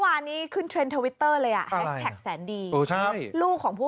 วันนี้ขึ้นเทวิตเตอร์เลยอ่ะแสนดีโอ้ใช่ลูกของผู้